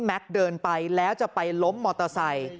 เดินไปแล้วจะไปล้มมอเตอร์ไซค์